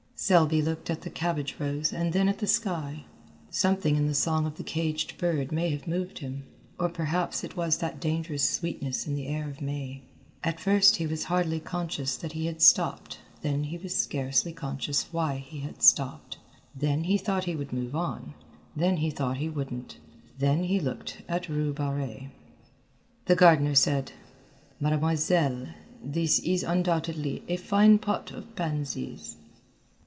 Selby looked at the cabbage rose and then at the sky. Something in the song of the caged bird may have moved him, or perhaps it was that dangerous sweetness in the air of May. At first he was hardly conscious that he had stopped then he was scarcely conscious why he had stopped, then he thought he would move on, then he thought he wouldn't, then he looked at Rue Barrée. The gardener said, "Mademoiselle, this is undoubtedly a fine pot of pansies."